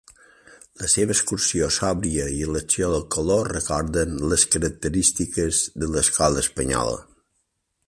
La seva execució sòbria i l'elecció del color recorden les característiques de l'escola espanyola.